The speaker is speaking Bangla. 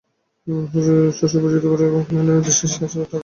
শশীর বুঝিতে বাকি রহিল না এই উদ্দেশ্যেই সে আঁচলে টাকা বাধিয়া ঘরের কাজ করিতেছিল।